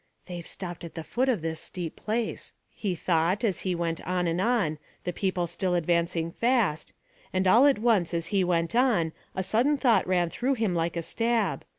"They've stopped at the foot of this steep place," he thought, as he went on and on, the people still advancing fast, and all at once, as he went on, a sudden thought ran through him like a stab.